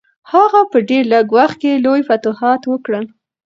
هغه په ډېر لږ وخت کې لوی فتوحات وکړل.